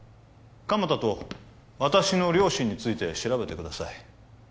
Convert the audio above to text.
鎌田と私の両親について調べてください